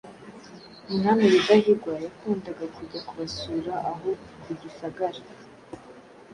Umwami Rudahigwa yakundaga kujya kubasura aho ku Gisagara.